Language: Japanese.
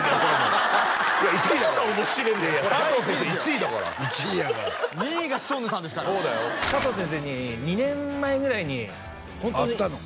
１位だから１位やから２位がシソンヌさんですから佐藤先生に２年前ぐらいにホントに会ったの？